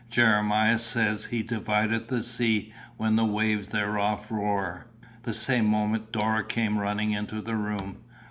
Jeremiah says he 'divideth the sea when the waves thereof roar.'" The same moment Dora came running into the room.